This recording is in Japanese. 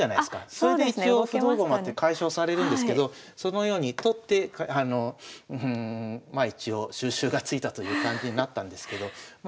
それで一応不動駒って解消されるんですけどそのように取ってまあ一応収拾がついたという感じになったんですけどま